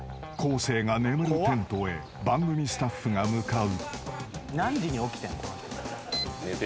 生が眠るテントへ番組スタッフが向かう］